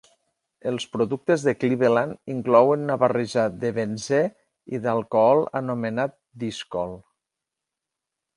El productes de Cleveland incloïen una barreja de benzè i d'alcohol anomenat "Discol".